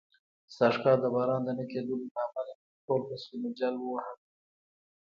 سږ کال د باران د نه کېدلو له امله، ټول فصلونه جل و وهل.